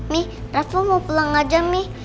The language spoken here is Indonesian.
mi raffa mau pulang aja mi